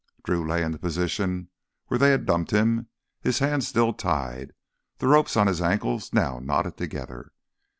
Drew lay in the position where they had dumped him, his hands still tied, the ropes on his ankles now knotted together.